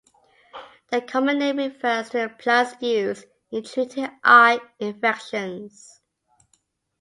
The common name refers to the plant's use in treating eye infections.